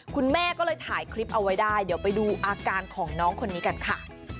คุณแม่ก็เลยถ่ายคลิปเอาไว้ได้เดี๋ยวไปดูอาการของน้องคนนี้กันค่ะ